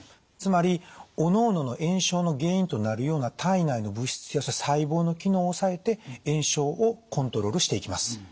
つまりおのおのの炎症の原因となるような体内の物質や細胞の機能を抑えて炎症をコントロールしていきます。